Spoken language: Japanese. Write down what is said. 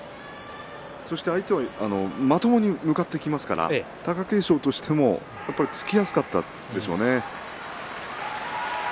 そして相手はまともに向かってきますから貴景勝としては突きやすかったですよね。